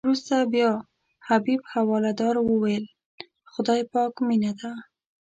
وروسته بیا حبیب حوالدار ویل خدای پاک مینه ده.